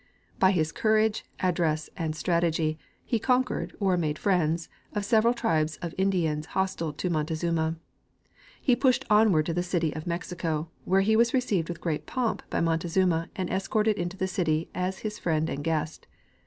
By his courage, address and strategy he conquered or made friends of several tribes of Indians hostile to Montezuma. He pushed onward to the city of Mexico, where he was received with great pomp by Montezuma and escorted into the city as his friend and guest.